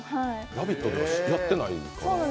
「ラヴィット！」ではやってないかな。